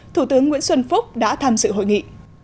thủ tướng nguyễn xuân phúc đã tham dự hội nghị